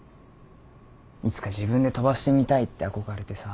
いつか自分で飛ばしてみたいって憧れてさ